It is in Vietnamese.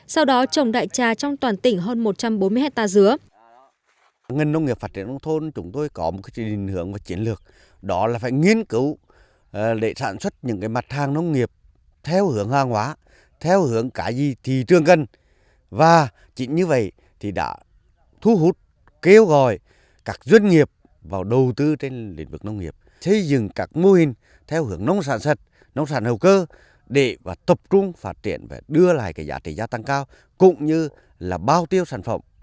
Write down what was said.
sau đó trồng đại trà trong toàn tỉnh hơn một trăm bốn mươi hectare dứa